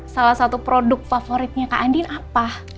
salah satu produk favoritnya kak andin apa